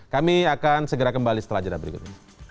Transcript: kami akan segera kembali setelah ajadah berikut